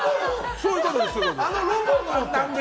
そういうことですよ。